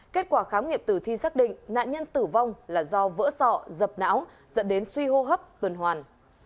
kết quả khám nghiệm tử thi xác định nạn nhân tử vong là do vỡ sọ dập não dẫn đến suy hô hấp tuần hoàn